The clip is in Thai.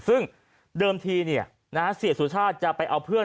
ซึ่งเดิมทีเนี่ยนะฮะเสียสุชาติจะไปเอาเพื่อน